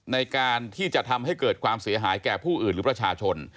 ในการที่จะทำให้เกิดความเสียหายแก่ผู้อื่นหรือประชาชน